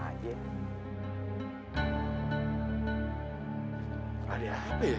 ada apa ya